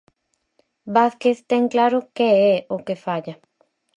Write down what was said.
Vázquez ten claro que é o que falla.